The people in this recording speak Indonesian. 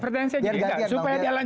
pertanyaan saya gini